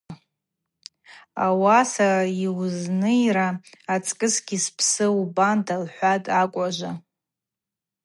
Араса йуызныйра ацкӏысгьи спсы убанда, – лхӏватӏ акӏважва.